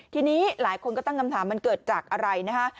ทีนี้หลายคนก็ตั้งคำถามมันเกิดจากอะไรนะคะ